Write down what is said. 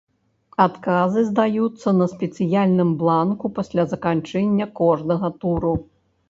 Адказы здаюцца на спецыяльным бланку пасля заканчэння кожнага туру.